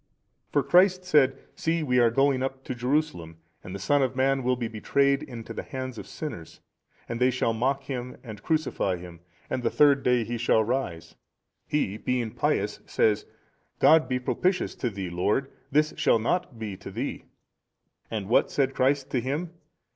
A. For Christ said, See we are going up to Jerusalem and the Son of man will be betrayed into the hands of sinners, and they shall mock Him and crucify Him, and the third day He shall rise. He being pious, says, [God be] propitious to Thee, Lord, this shall not be to Thee. And what said Christ to him?